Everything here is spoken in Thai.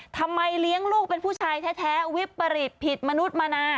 เลี้ยงลูกเป็นผู้ชายแท้วิปริตผิดมนุษย์มานาน